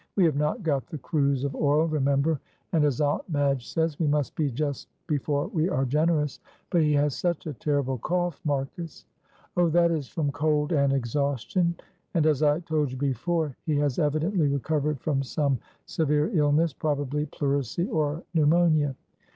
"We have not got the cruise of oil, remember, and, as Aunt Madge says, we must be just before we are generous but he has such a terrible cough, Marcus." "Oh, that is from cold and exhaustion, and, as I told you before, he has evidently recovered from some severe illness, probably pleurisy or pneumonia.